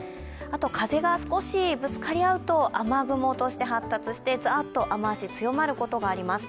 風が少しぶつかり合うと雨雲として発達してザーッと雨足が強まることがあります。